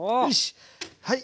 はい。